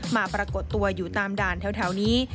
ปรากฏตัวอยู่ตามด่านแถวนี้